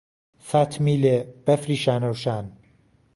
فاتمیلێ بەفری شانەوشان